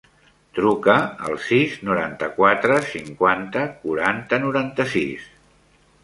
Truca al sis, noranta-quatre, cinquanta, quaranta, noranta-sis.